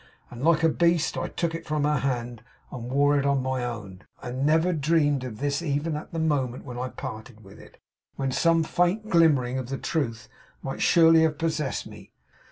And like a beast, I took it from her hand, and wore it on my own, and never dreamed of this even at the moment when I parted with it, when some faint glimmering of the truth might surely have possessed me!